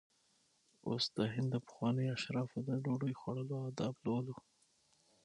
اوس د هند د پخوانیو اشرافو د ډوډۍ خوړلو آداب لولو.